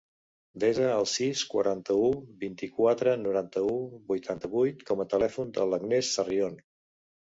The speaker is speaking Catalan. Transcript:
Desa el sis, quaranta-u, vint-i-quatre, noranta-u, vuitanta-vuit com a telèfon de l'Agnès Sarrion.